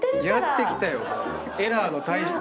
やってきたよ。